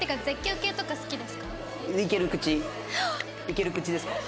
いける口ですか？